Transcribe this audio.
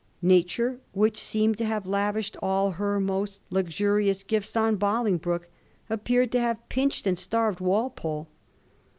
Nature, which seemed to have lavished all her most luxurious gifts on Bolingbroke, appeared to have pinched and starved Walpole.